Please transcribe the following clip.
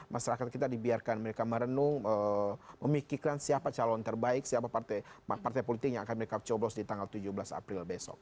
masyarakat kita dibiarkan mereka merenung memikirkan siapa calon terbaik siapa partai politik yang akan mereka coblos di tanggal tujuh belas april besok